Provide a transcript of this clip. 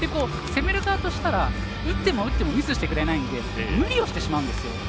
攻める側としたら打っても打ってもミスしてくれないので無理をしてしまうんですよ。